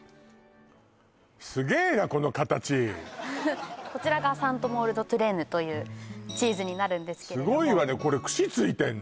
すげえなこの形こちらがサント・モール・ド・トゥレーヌというチーズになるんですけれどもすごいわねこれ串ついてんの？